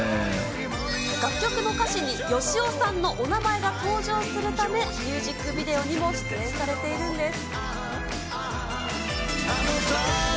楽曲の歌詞にヨシオさんのお名前が登場するため、ミュージックビデオにも出演されているんです。